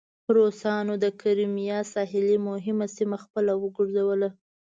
روسانو د کریمیا ساحلي مهمه سیمه خپله وګرځوله.